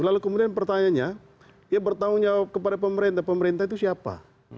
lalu kemudian pertanyaannya ya bertanggung jawab kepada pemerintah pemerintah itu siapa